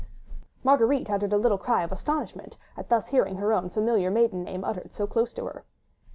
Marguerite uttered a little cry of astonishment, at thus hearing her own familiar maiden name uttered so close to her.